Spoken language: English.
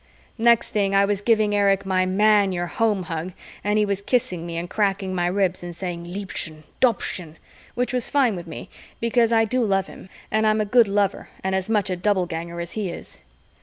Next thing I was giving Erich my "Man, you're home" hug and he was kissing me and cracking my ribs and saying, "Liebchen! Doppchen!" which was fine with me because I do love him and I'm a good lover and as much a Doubleganger as he is.